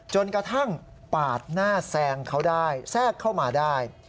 จนกระทั่งปาดหน้าแซงเขาได้แทรกเข้ามาได้